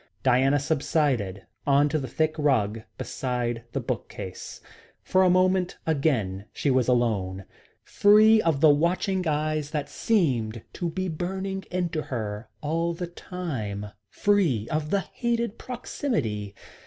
Diana subsided on to the thick rug beside the bookcase. For a moment again she was alone, free of the watching eyes that seemed to be burning into her all the time, free of the hated proximity.